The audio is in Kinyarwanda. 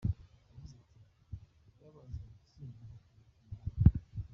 Yagize ati "Birababaza gutsindirwa ku mukino wa nyuma.